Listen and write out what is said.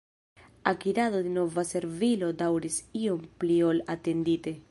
Akirado de nova servilo daŭris iom pli ol atendite.